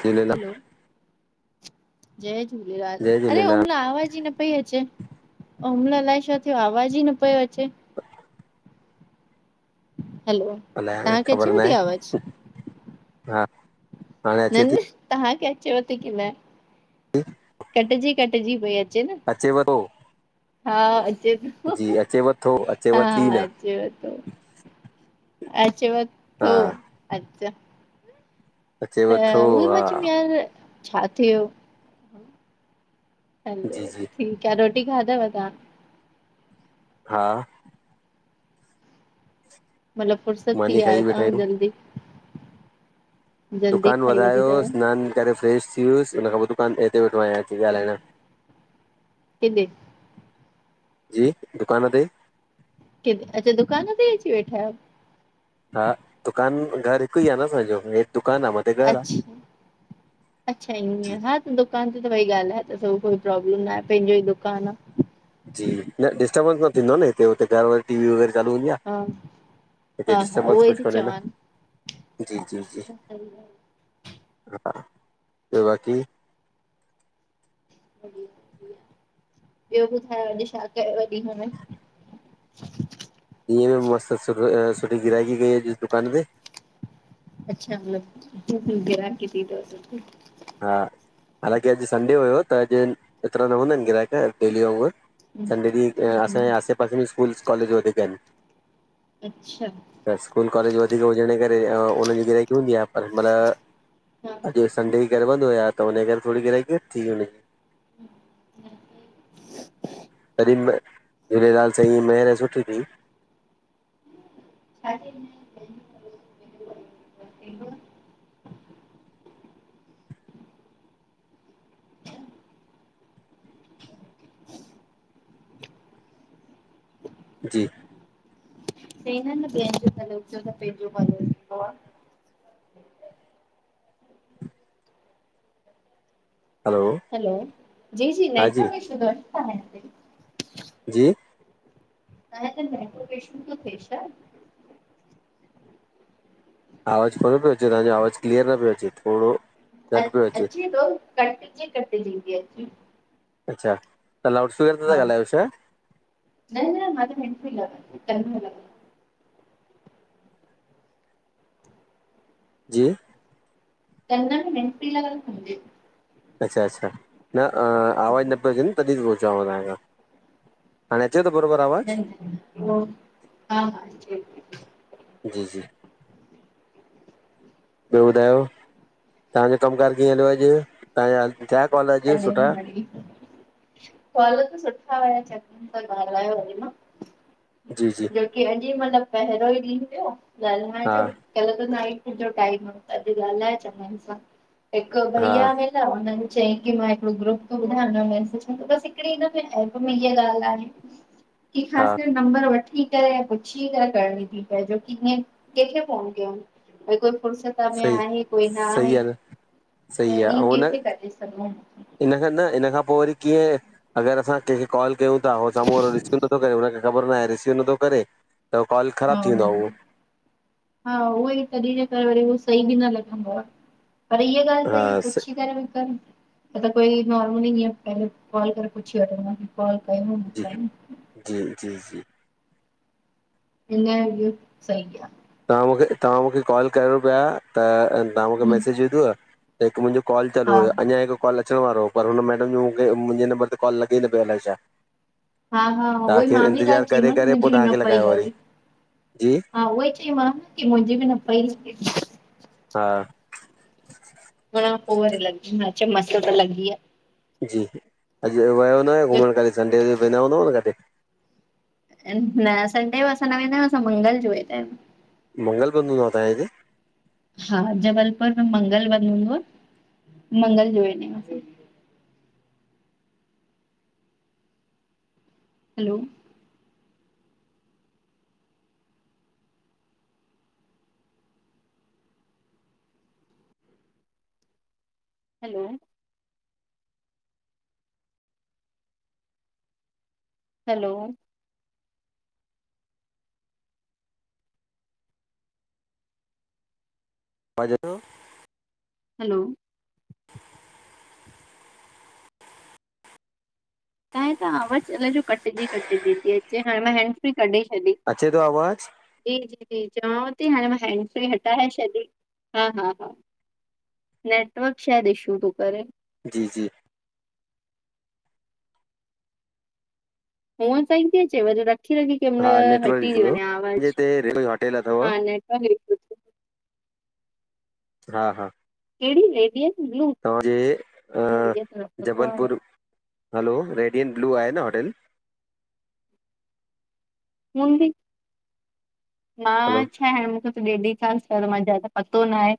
किलेल hello, जय झूलेलाल, अरे झूलेलाल उमल आवाज ई न पई अचे उमल अलाइए छा थियो आवाज ई न पियो अचे [inaudible] हैलो अलाए हाणे तव्हांखे ख़बर न अचेव थी आवाज? आहे हा हाणे न अचे न थी तव्हांखे अचेव थी की न कटजी कटजी पई अचे। न, अचेव तो हा अचे पियो अचेव थो अचेव हा थी न अचेव तो अचेव हा थो अचछा त अचेव थो उहो ई मां हा चैम यार छा थियो वियो जी ऐं जी ठीक कर ही खाधव तां? हा मतिलबु फुर्सत थी मानी विया खाई आयो वेठा तां आहियूं जल्दी। जल्दी दुकानु खाई वधी वधायो अथव। सनानु करे फ़्रेश थी वुसि उन खां पोइ दुकान ते हिते ह केॾे जी, दुकान ते। केॾे अॼु दुकान ते ई अची वेठा आहियो? हा दुकान घर हिकु ई आहे न असांजो दुकानु आहे मथे घरु आहे अछा अछा जी ईअं हा त दुकान ते वेई ॻाल्हाए न त असां खे काई प्रोब्लम न आहे पंहिंजो ई दुकान आहे। जी न डिस्टर्बंस न थींदो न हिते हुते घर वरी टी वी वग़रह हा हा हा डिस्टर्बेंस उहो ई कुझु ती कोन्हे न चवानि। जी हा जी जी न त हा ॿियो बाक़ी [unintelligible] ॿियो ॿुधायो अॼु छा कयव अॼ ॾींहुं में? ॾींहुं में मस्त सुठी गिरायकी कई अॼु दुकान ते। अच्छा मतलब गिराकि थी तव‌ बिल्कुल। हा हालांकि अॼु संडे हुयो त अॼु एतिरा न हूंदा आहिनि ग्राहक डेली वांगुरु। संडे हम्म ॾींहुं असांजे हम्म, आसे पासे में स्कूलस कॉलेज वधीक आहिनि। अच्छा त स्कूल कॉलेज व होलीडे हुजण जे करे उन्हनि जी गिराकी हुन्दी आ पर हा अंॼु संडे घर बंद हुया त उनजे करे थोरी ग्राहिकी घटि थी हूंदी। [inaudible] तॾहिं महिल झूलेलाल साईं महिर सुठी कई। [inaudible] जी चईंदा आहिन न ॿियनि जो भलो कयो त पंहिंजो भलो थींदो आ। हलो जी जी नेटवर्क इशू आहे हिते बि जी ताएं हुते नेटवर्क इशूं तो थे शा? आवाज़ कोन पियो अचे तव्हजो आवाज़ क्लीअर न पियो अचे थोरो घटि अं पियो अचे थो कटजी कटजी ती अचे। अच्छा लाउड स्पीकर ते हा था ॻाल्हायो छा न न मां त [unintelligible] जी कनन मे पी लॻल हुंदी। अच्छा अच्छा न आवाज़ु न पयो अचे न तॾहिं पयो चवां तांखां, हाण न न उहो हा हा अचे पई। जी जी ॿियो ॿुधायो तव्हांजो कमुकारु कीअं हलियो अॼु तव्हांजा थिया कॉल अॼु सुठा अे फल त सुठ ॻाल्हाकी जी जी अॼु मतलब पहिरों ई ॾींहुं थियो ॻाल्हाइण हा जो कल त टाइम अॼ ॻाल्हाए हिकु हा भइया मेलिया हुननि चयई मां हिक ग्रुप तो बुधायां हिन एप में इहा ॻाल्ह आहे। कि हा ख़ासि नंबर वठ पुछी करे पोइ फोन थी करणी पवे फुर्सत में सही आहे कोई न सही आहे न त ईअ कंहिंखे कजे इ खां न हिन खां पोइ वरी अगरि असां कंहिंखे काल कयूं था त हू साम्हूं वारो रिसीव नथो करे हुनखे ख़बर ही नथी पवे करे त कॉल हा ख़राबु थी ह वेंदो आहे उहो हा उहो ई त सही बि न लॻंदो आहे पर इीअ हा ॻाल्हि त स पुछी करे कनि कोई नॉर्मल ई कॉल करे पुछी वठो हुन खां कॉल जी कयोई जी जी जी सही आहे तव्हां मूंखे तव्हां मूंखे कॉल कयो पिया त तव्हां मूंखे आहे मैसेज विधव त हिकु मुंहिंजो कॉल चालू हा हुओ अञा हिकु कॉल अचण वारो हो पर हुन मैडम जो मूंखे मुंहिंजे नम्बर ते कॉल लॻे न पियो अलाए छा हा हा त उहोई आख़िर मां बि इंतज़ारु करे चयमु करे मुंहिंजी पोइ बि न तव्हांखे पई लॻायो वरी लॻे जी हा उहोई चईम न की मुंहिंजी बि न पई हा हुन पोइ लॻी मस त लॻी आहे जी अॼु विया न आहियो घुमण संडे ते वेंदा हूंदा न किथे न असां संडे जो न वेंदा आहियूं असां मंगल जो वेंदा आहियूं मंगल बंद हुदों आ तवांजे हिते? हा जबलपुर में मंगलवंद हूंदो आहे मंगल जो ॾीहं हैलो हलो हैलो आवाज अचे थो हैलो त त आवाज़ा कटिजी कटिजी थी अचे कहिं कॾिहं अचेव अचे थो आवाज़ु जी जी जी चवांव थी हाणे मां हैंड फ्री हटाए छॾी हा हा हा नेटवर्क शयद इशू तूं करे जी जी हू सही थी हटजी वञे हा नेटवर्क इशू हुयो थी मुंहिंजे आवाज हिते रेलवे होटेल अथव हा नेटवरक इशू हा हा कहिड़ी रेडियन ब्लू तव्हांजे त इअ त रखंदो आहे जबलपुर हलो रेडियंट ब्लू आहे न होटल हूंदी हलो मां छा हाणे मूंखे त डेडी त पतो न आहे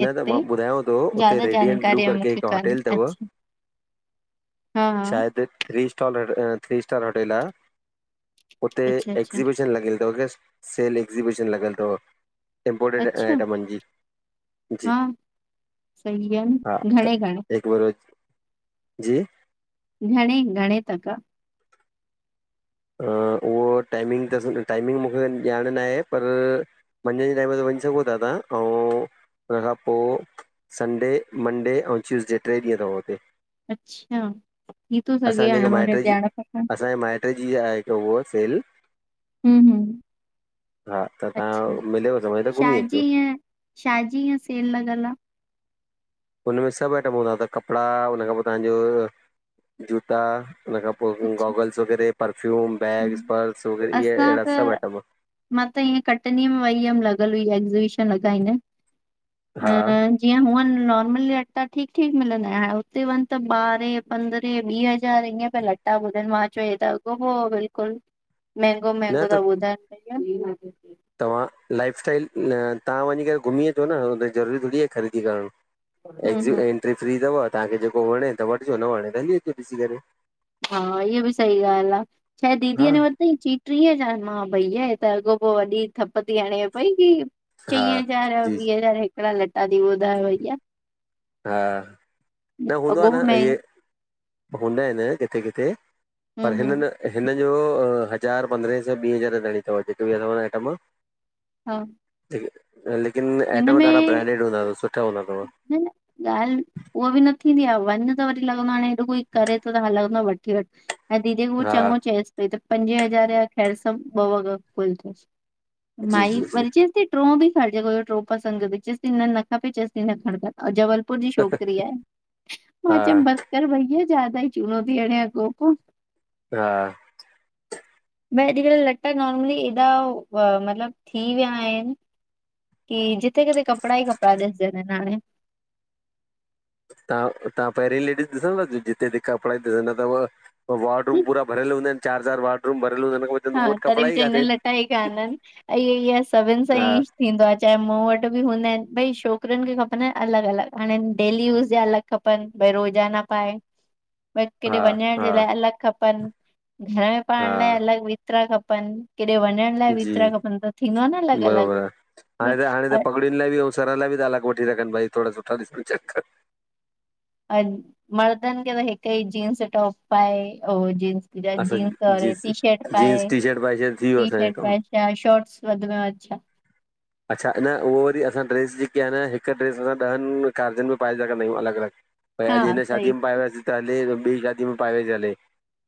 न त हिते मां ॿुधायांव थो उते ज्यादा रेडियंट ब्लू जानकारी करके मूंखे हिकु कान्हे होटल अथव अचछा शायदि थ्री स्टार होटेल आहे हुते अच्छा अच्छा एक्ज़ीबिशन लॻिल अथव के सेल एक्ज़ीबिशन लॻिल अथव। इमपोटड अच्छा आइटमनि जी जी हा सही आहे हा न त घणे घणे हिकु भेरो जी घणे घणे काका उहो टाइमिंग त टाइमिंग मूंखे ॼाण न आहे पर मंझंदि जे टाइम ते वञी सघो था तव्हां ऐं हुन खां पोइ संडे मंडे ऐं टयूसडे टे ॾींहं अथव हुते अच्छा थी थो सघे असांजे हाणे जेके मूंखे माइट्र जी ॼाण खपनि असांजे माइट जी आहे हिकु उहा सेल हम हम हा त तव्हां मिलेव समय त घुमी छाजी अचिजो ईअं छाजी ही सेल लॻलि आहे हुनमें सभु आइटम हूंदा त कपिड़ा हुन खां पोइ तव्हांजा जूता हुनन खां पोइ अच्छा गोगल्स वग़ैरह परफ्यूम बैग्स हम्म। पर्स वग़ैरह इहे असां अहिड़ा त सभु आइटम मां त कटनी में वई हुयम लॻ लगल हुइ, हा जिय हुअ नो लटा ठीकु ठीकु मिलंदा हुते वञ त ॿारहें पंदरह वीह हज़ारअ ॿुधनि मां चयो हे अ हो बिल्कुलु महंगो न महंगो त था ॿुधाइन। [unintelligible] तव्हां लाइफस्टाइल तव्हां वञी करे घुमी अचो न ज़रूरी थोड़ी आहे ख़रीदी करण। हम्म एक्सिट हम्म एंट्री फ्री अथव तव्हांखे जेको वणे त वठिजो न वणे त हली अचो ॾिसी करे। हा इहा बि सही ॻाल्हि आहे छाहे हा दीदीअ न वरतई टीअ हज़ार मां। भईया है त अॻो पो वॾी थप थी हणे पई की चई हा हज़ार जी वीह हज़ार। [unintelligible] लटा दी ॿुधाए भईया। हा न हूंदो आहे अॻोपो न इहे महंग हूंदा आहिनि न किथे किथे। पर हम्म हम्म हिननि हिननि [unintelligible] हज़ार पंद्रहें सै ॿी हज़ार ताईी अथव जेके बि अथव आइटम। हा लेकिन हिन आइटम ॾाढा में ब्रांडेड हूंदा अथव सुठा हूंदा अथव। न ॻाल्हि उहा बि न थींदी आहे वञ त वरी लॻंदो आहे हाणे हेॾो कोई करे थो त ह लॻंदो आहे वठी वठ ऐं दीदी खे हू हा चङो चंइसि पई त पंजे हज़ार जा साॻियां ॿ वॻा कुल थियस जी माई जी जी वरी चवेसती टियों बि खण टियों पसंदि चेसपई न खपे न खण भला जवल। [unintelligible] छोकरी आहे हा मां चइमांस बसकर भैया जयदा चुनौती आहेती अॻोपो हा भई अॼुकल्ह लटा नॉर्मली एॾा मतलबु थी विया आहिनि की जिते किथे कपड़ा ई कपड़ा ॾिसजनि था हाणे। तव्हां पहिरीं लेडीस ॾिसंदव जिते त कपिड़ाई ॾिसंदा अथव न वार्डूम पूरा भरियल हूंदा आहिनि चार चार वार्डूम। हा तॾहिं बि चवंदा आहिनि लटा ई कोन्हनि ईंअ सभिनि सां हा ई थींदो आहे चाहे मूं वटि बि हूंदा आहिनि भई छोकिरियुनि खे खपनि अलॻि अलॻि हाणे डेली यूस जा अलॻि खपनि भई रोज़ाना पाए भाई किथे हा वञण हा जे लाइ अलॻि खपनि घर में हा पण लाइ अलॻि [unintelligible] खपनि केथे वञण लाइ जी खपनि त थींदो न अलॻि अलॻि बरोबरु आहे हाणे त हाणे त पगड़ियुनि लाइ बि ऐं सर लाइ बि त अलॻ वठी रखनि भई थोड़ा सुठा ॾिसनि चेक कनि। मर्दनि खे त हिकु ई जींस टॉप पाए जींस [unintelligible] जींस ओर टी शर्ट पाए जींस शर्ट वाई शर्ट थी वियो टी असांजो शर्ट कमु पाए छा शोर्टस वध में वध [unintelligible] अच्छा, न उहो वरी असां ड्रेस जेकी आहे न हिक ड्रेस असां ॾहनि कार्जनि में पाए सघंदा आहियूं अलॻि अलॻि भई, अॼ हा हिन सही शादी में पाहे वया सी त हले जे ॿी शादी में पाहे वया सी त हले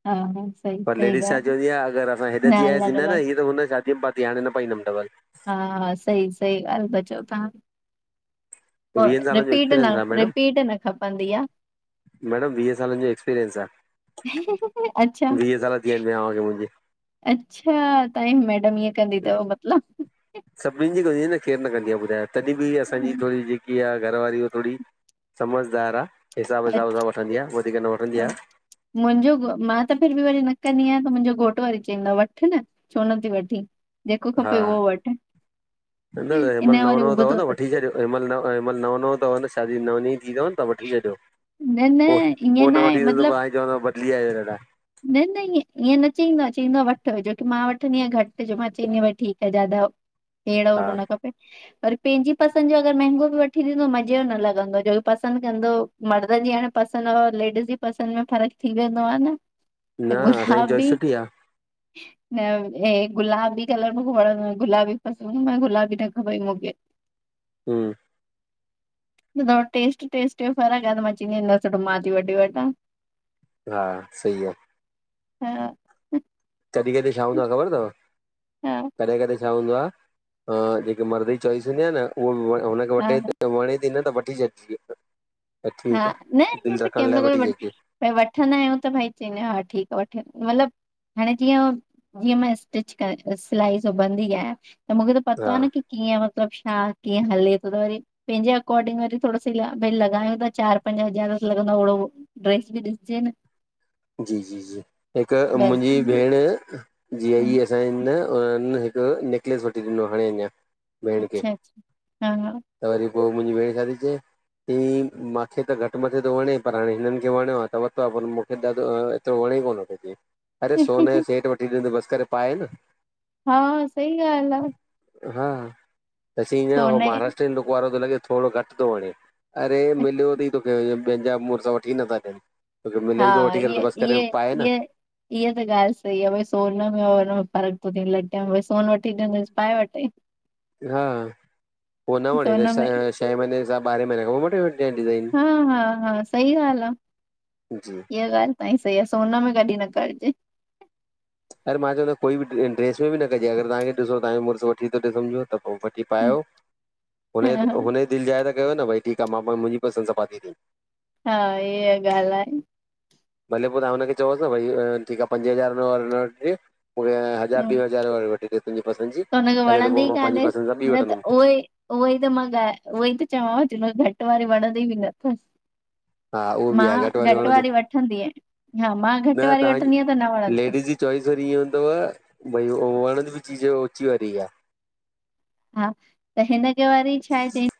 हा हा सही पर सही लेडीज़ छा ॻाल्हि। चवंदी आहे अगरि असां न हेॾे थी अयासी अलॻि न अलॻि न हिय त हुन। [unintelligible] [unintelligible] पाहिंदा न हूंदाव। हा हा सही सही ॻाल्हि चओ था तव्हां। वीहनि सालनि जो रिपीट न एक्सपीरियंस आहे मैडम रिपीट न खपंदी आ मैडम, वीह सालनि जो एक्सपीरियंस आ अच्छा वीह साल थी वया आहिन वियांह खे मुंहिंजे अच्छा, तव्हांजी मैडम ईअं कंदी अथव मतलब सभिन जी कंदी आ, केर न कंदी आहे ॿुधायो तॾहिं बि असांजी थोरी जेकी आहे घरवारी थोरी समझदार आ हिसाब अच्छा सा वॻा वठंदी आ मुंहिंजो मां त फिर बि वरी न कंदी आहियां त मुंहिंजो घोट पर वरि चईंदो वठ न छो नथी वठी, जेको हा खपे उहो वठ न न हिन इन महिल जो नओं वरी नओं अथव उबतो न अथसि। वठी छॾियो महिल महिल नओं नओं अथव छा [unintelligible] थी तव न त वठी छॾियो न न ईअं पोइ न आहे वठी सॻो त मतलब सुभाणे चवंदव [unintelligible] [unintelligible] न न ईअं ईअं न चईंदो आहे चईंदो आहे वठ जो की मां वठंदी आहियां घटि जो मां चईंदीयां ठीक ज्यादा अहिड़ो हा ओहिड़ो न खपे वरी पंहिंजी पसंदि जो अगर मंहिगो बि वठी ॾींदो मज़े जो न लॻंदो जो पसंदि कंदो मर्द जी हाणे पं असांजे लेडीज़ जे पसंदि में फ़र्क थी वेंदो आहे न न त असांजी गुलाबी चुआइस सुठी आ [unintelligible] न हे गुलाबी कलर मूंखे वणंदो आ गुलबी पंस आ, गुलाबी न खबई मूंखे हंह ॿुधायो टेस्ट टेस्ट जो फर्क आ तमां चईंदी आहियां न सुठो त मां थी वठी वठां हा, सही आ हा कॾीं कॾीं छा हूंदो आहे ख़बर अथव हा कॾहिं कॾहिं छा हूंदो आहे अ जेके मर्द जी चॉइस हूंदी आहे न उहा हा हुनखे व वणे थी न त [unintelligible] ठीकु हा न आहे ईंअ दिलि त रखण कंहिं लाइ वठी महिल छॾिजे बि वठंदा आहियूं त भई चईंदा आहियूं हा ठीक आ वठे मतलब हाणे जीअं जीअं मां स्टिच क सिलाई सिबंदी आहियां त मूंखे त पतो हा आहे न की कीअं मतलबु हा कीअं हले थो त वरी पंहिंजे अकोर्डिंग वरी थोरो सी भई लॻायूं था चार पजं हजार त लगंदो ओडो ड्रेस भी ॾिसजे न जी जी जी, हिक बेस्ट मुंहिंजी भेण जीअं हीअ असांजा हुन हिकु नेकलेस वठी ॾिनो हाणे अञां अच्छा अच्छा, हा हा पो मुंहिंजी भेण छा ती चए ही, मांखे त घटि मथे थो वणे पर हाणे हिननि खे वणियो आहे त वरितो आहे पर मूंखे दा एतिरो वणे ई कोन तीखे, अरे सोने जो सेट वठी ॾिनो बसि करे पाए न हा सही ॻाल्हि आ हा त स ईअं हो महाराष्ट्रनि लुक वारो थो लॻे थोरो घटि थो वणे अरे मिलियो अथई तोखे ॿियनि जा मुड़ुसु वठी नथा ॾियनि तोखे हा मिले ई थो वठी करे इहे त बसि करे इहे पाए न इहे इहा त ॻाल्हि सही आहे बई सोन में में फ़र्क [unintelligible] सोन वठी ॾिनस पाए वठे हा पोइ न वणे त सोन में छह छह महीने सां ॿारहें महीने खां पोइ वठी वटे हा हा हा सही ॻाल्हि आहे, जी इहा ॻाल्हि तं [unintelligible] सही आहे सोन में कॾहिं न करजे। अरे मां चवां तो कोई बि ड्रेस में बि न कजे। अगर तव्हांखे ॾिसो तव्हा‌जो मुर्स वठी तो ॾे थो सम्झो त वठी हा पायो हुन हुन दिल जाए त ॾियो न भई ठीकु आहे मां मुंहिंजी पसंद सां पाती हा इहा ॻाल्हि आहे भले पोइ तव्हां हुनखे चओसि न भई ठीकु आहे पंज हज़ार वार उ हज़ारॿी हम्म हज़ार वारी वठी ॾ [inaudible] त हुनखे वणंदी कान्हेस। सां ॿी न त वठंदुमि उहो ई उहई त मां उहई त चवां थी। [unintelligible] घट वारी वणंदी बि न नथस। हा उहो बि मां आहे घटि वणंदी वारी वठंदी आ। मां घट न वारी तव्हांजी वठंदी आ त न वणंदी तस। [unintelligible] चॉइस वरी इयो तव भई वणंद बि चीजे ऊची वारी आह। हा त हिनखे वरी छाह चई